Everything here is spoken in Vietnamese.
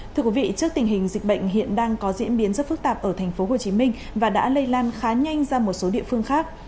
thưa quý vị trước tình hình dịch bệnh hiện đang có diễn biến rất phức tạp ở tp hcm và đã lây lan khá nhanh ra một số địa phương khác